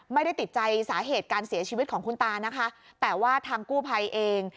ไม่ได้ติดใจสาเหตุการเสียชีวิตของคุณตานะคะแต่ว่าทางกู้ภัยเอง